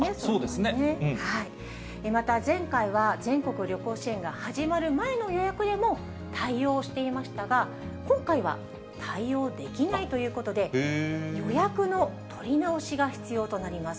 また前回は、全国旅行支援が始まる前の予約でも対応していましたが、今回は対応できないということで、予約の取り直しが必要となります。